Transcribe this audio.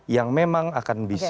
yang memang akan bisa